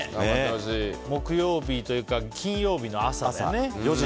木曜日というか金曜日の朝ね。